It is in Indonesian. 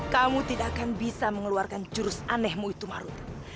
kamu tidak akan bisa mengeluarkan jurus anehmu itu marut